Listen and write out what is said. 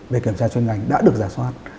về kiểm tra chuyên ngành đã được ra soát